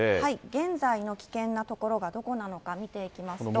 現在の危険な所がどこなのか見ていきますと。